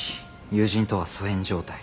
友人とは疎遠状態。